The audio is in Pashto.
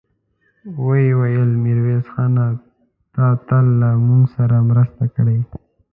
ويې ويل: ميرويس خانه! تا تل له موږ سره مرسته کړې.